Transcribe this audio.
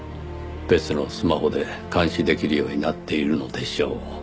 別のスマホで監視できるようになっているのでしょう。